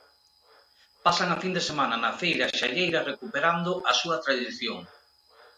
Pasan a fin de semana na feira xalleira recuperando a súa tradición.